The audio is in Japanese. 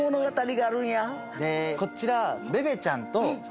こちら。